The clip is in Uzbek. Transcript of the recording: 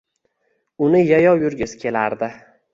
Uni yayov yurgisi kelardi